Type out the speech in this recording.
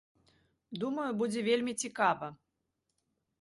Думаю, будзе вельмі цікава.